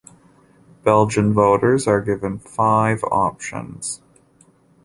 Belgian voters are given five options.